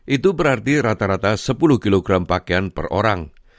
itu berarti rata rata sepuluh kg pakaian per orang